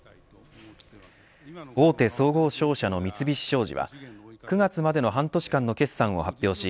大手総合商社の三菱商事は９月までの半年間の決算を発表し